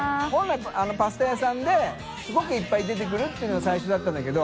寨パスタ屋さんで垢瓦いっぱい出てくるっていうのが最初だったんだけど。